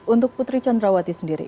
untuk putri chandrawati sendiri